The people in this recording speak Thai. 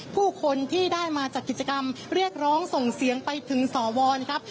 ผู้คนที่ได้มาจัดกิจกรรมเรียกร้องส่งเสียงไปถึงสวนะครับ